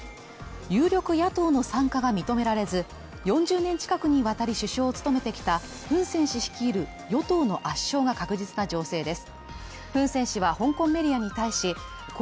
有力野党の参加が認められず４０年近くにわたり首相を務めてきたフン・セン氏率いる与党の圧勝が確実な情勢です。